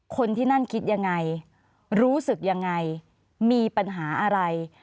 คนที่นั่นคิดยังไงรู้สึกยังไงมีปัญหาอะไร